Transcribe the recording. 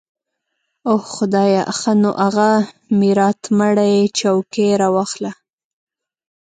اوح خدايه ښه نو اغه ميراتمړې چوکۍ راواخله.